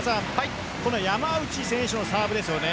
山内選手のサーブですよね。